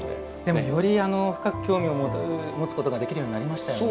より深く興味を持つことができるようになりましたよね。